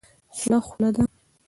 خوله خوله ده.